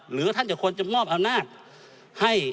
หรือท่านจะควรจะมอบอำนาจให้